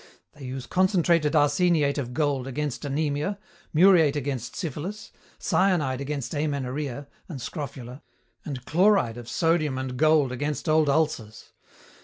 They use concentrated arseniate of gold against anemia, muriate against syphilis, cyanide against amenorrhea and scrofula, and chloride of sodium and gold against old ulcers.